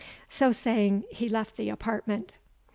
So saying, he left the apartment.